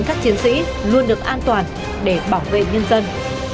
các chiến sĩ luôn được an toàn để bảo vệ nhân dân